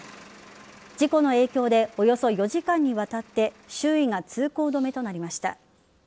事故の影響でおよそ４時間にわたって周囲が通行止めとなりました。